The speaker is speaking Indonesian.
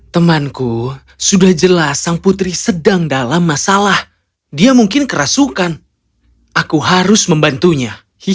temanku sudah jelas sang putri sedang dalam masalah dia mungkin kerasukan aku harus membantunya